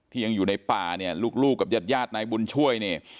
ยังอยู่ในป่าเนี่ยลูกกับญาติญาตินายบุญช่วยเนี่ย